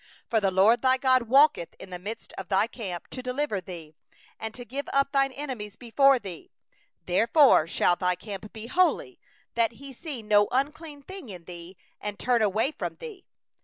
15For the LORD thy God walketh in the midst of thy camp, to deliver thee, and to give up thine enemies before thee; therefore shall thy camp be holy; that He see no unseemly thing in thee, and turn away from thee.